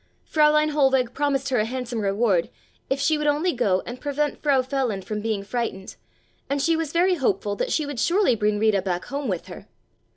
Fräulein Hohlweg promised her a handsome reward if she would only go and prevent Frau Feland from being frightened, and she was very hopeful that she would surely bring Rita back home with her.